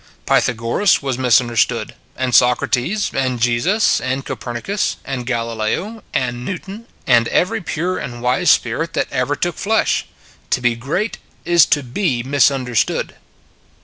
Pythagoras was mis understood, and Socrates, and Jesus and Copernicus and Galileo and Newton and every pure and wise spirit that ever took flesh. To be great is to be misunder stood."